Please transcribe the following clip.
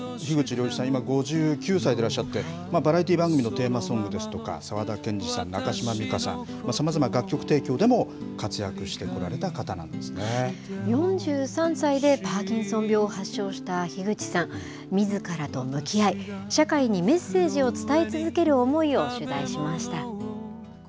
樋口了一さん、今５９歳でいらっしゃってバラエティー番組のテーマソングとか沢田研二さん、中島美嘉さんさまざまな楽曲提供でも４３歳でパーキンソン病を発症した樋口さんみずからと向き合い、社会にメッセージを伝え続ける思いを取材しました。